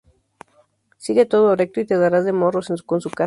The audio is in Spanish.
Sigue todo recto y te darás de morros con su casa